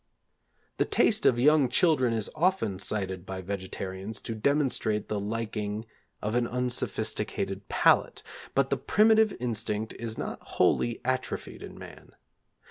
The taste of young children is often cited by vegetarians to demonstrate the liking of an unsophisticated palate, but the primitive instinct is not wholly atrophied in man.